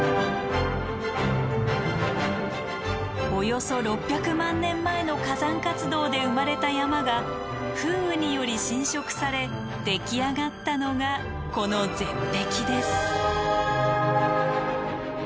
およそ６００万年前の火山活動で生まれた山が風雨により浸食されでき上がったのがこの絶壁です。